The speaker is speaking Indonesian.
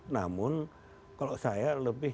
namun kalau saya lebih